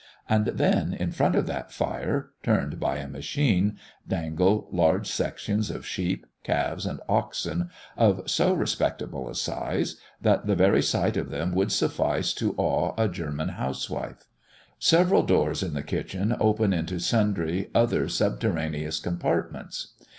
And then, in front of that fire, turned by a machine, dangle large sections of sheep, calves, and oxen, of so respectable a size, that the very sight of them would suffice to awe a German housewife. Several doors in the kitchen open into sundry other subterraneous compartments.